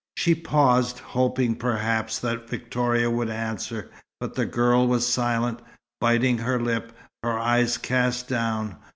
She paused, hoping perhaps that Victoria would answer; but the girl was silent, biting her lip, her eyes cast down.